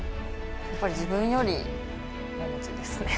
やっぱり自分よりももちですね。